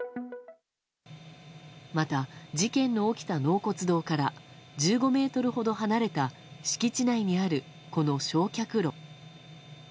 また、事件の起きた納骨堂から１５ｍほど離れた敷地内にある、この焼却炉。